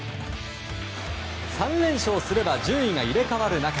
３連勝すれば順位が入れ替わる中